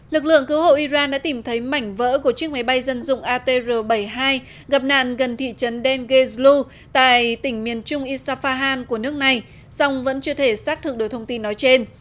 lực lượng cứu hộ iran đã tìm thấy mảnh vỡ của chiếc máy bay dân dụng atr bảy mươi hai gặp nạn gần thị trấn denezlu tại tỉnh miền trung isafahan của nước này song vẫn chưa thể xác thực được thông tin nói trên